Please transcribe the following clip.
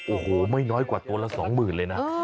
โอ้โหไม่น้อยกว่าตัวละสองหมื่นเลยนะ